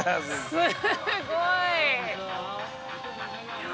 すごい。